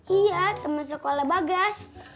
iya temen sekolah bagas